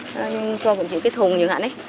cho bọn chị cái thùng như thế này